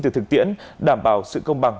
từ thực tiễn đảm bảo sự công bằng